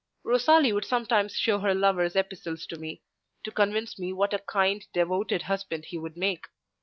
Rosalie would sometimes show her lover's epistles to me, to convince me what a kind, devoted husband he would make.